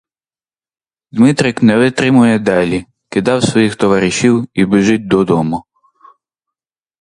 Дмитрик не витримує далі, кидав своїх товаришів і біжить додому.